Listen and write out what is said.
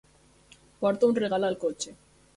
Porto un regal al cotxe.